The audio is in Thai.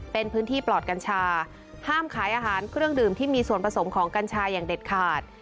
เป็นพื้นที่ปลอดกัญชาห้ามขายอาหารเครื่องดื่มที่มีส่วนผสมของกัญชาอย่างเด็ดขาด